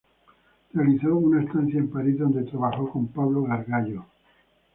Realizó una estancia en París, donde trabajó con Pablo Gargallo.